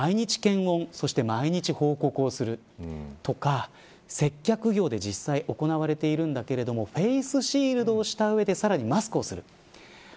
例えば毎日検温そして毎日報告をするとか接客業で実際行われていますがフェイスシールドをした上でさらにマスクをする。